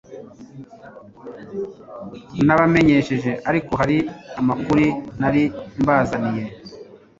ntabamenyesheje ariko hari amakuri nari mbazaniye